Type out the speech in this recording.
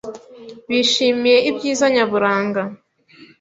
Bishimiye ibyiza nyaburanga.